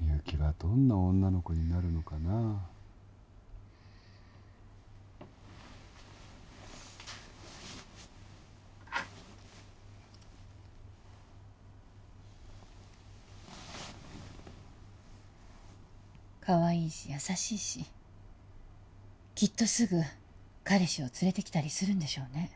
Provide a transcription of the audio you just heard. みゆきはどんな女の子になるのかなあかわいいし優しいしきっとすぐ彼氏を連れてきたりするんでしょうね